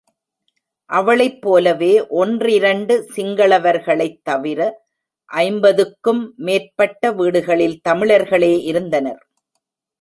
அவளைப் போலவே ஒன்றிரண்டு சிங்களவர்களைத் தவிர ஐம்பதுக்கும் மேற்பட்ட வீடுகளில் தமிழர்களே இருந்தனர்.